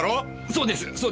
そうです。